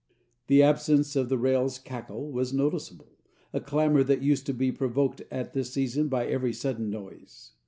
The absence of the rail's cackle was noticeable, a clamor that used to be provoked at this season by every sudden noise.